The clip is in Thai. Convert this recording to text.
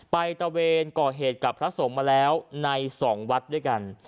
ตะเวนก่อเหตุกับพระสงฆ์มาแล้วใน๒วัดด้วยกัน